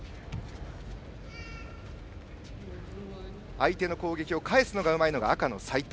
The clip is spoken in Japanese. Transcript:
相手の攻撃を返すのがうまいのが赤の齊藤。